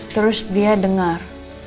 terus dia dengar